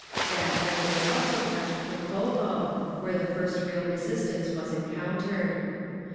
That night they also touched Pulkovo, where the first real resistance was encountered….